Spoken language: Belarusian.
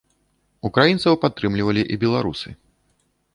Украінцаў падтрымлівалі і беларусы.